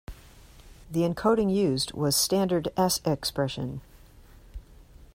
The encoding used was standard S-expression.